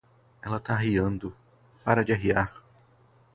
Ela tá arriando, para de arriar!